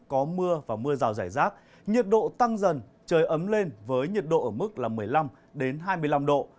có mưa và mưa rào rải rác nhiệt độ tăng dần trời ấm lên với nhiệt độ ở mức một mươi năm hai mươi năm độ